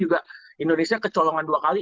juga indonesia kecolongan dua kali